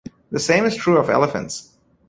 The same is true of elephants.